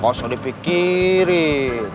gak usah dipikirin